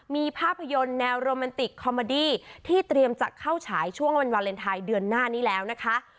มีภาพยนตร์แนวโรแมนติกคอมเมอดี้ที่เตรียมจะเข้าฉายช่วงวันวาเลนไทยเดือนหน้านี้แล้วนะคะ